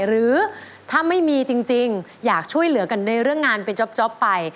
หรือถ้าไม่มีจริงอยากช่วยเหลือกันในเรื่องงานเป็นจ๊อปไป